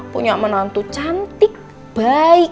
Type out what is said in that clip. punya sama nantu cantik baik